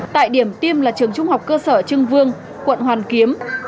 tại điểm tiêm là trường trung học cơ sở trưng vương quận hoàn kiếm